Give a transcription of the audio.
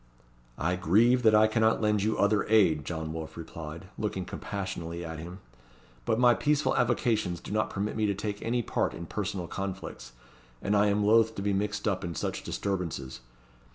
"I grieve that I cannot lend you other aid," John Wolfe replied, looking compassionately at him; "but my peaceful avocations do not permit me to take any part in personal conflicts, and I am loath to be mixed up in such disturbances.